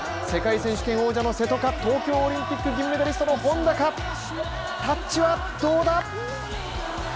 世界選手権王者の瀬戸か、東京オリンピック銀メダリストの本多か、タッチはどうか。